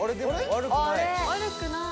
悪くない。